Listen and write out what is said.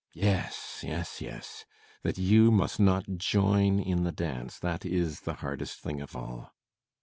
] Yes, yes, yes. That you must not join in the dance, that is the hardest thing of all.